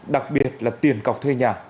đặc biệt là tiền cọc thuê nhà